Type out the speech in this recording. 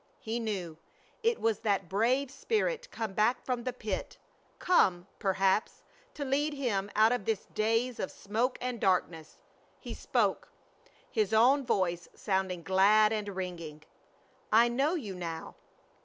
He knew. It was that brave spirit come back from the pit. Come, perhaps, to lead him out of this daze of smoke and darkness. He spoke, and his own voice sounded glad and ringing: "I know you now.